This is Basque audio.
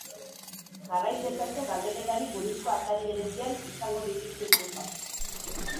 Jarraitu ezazu galdeketari buruzko atari berezian izango dituzu ikusgai.